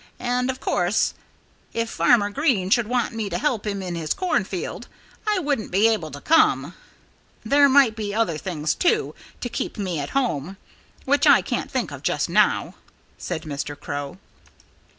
And, of course, if Farmer Green should want me to help him in his cornfield, I wouldn't be able to come. There might be other things, too, to keep me at home, which I can't think of just now," said Mr. Crow.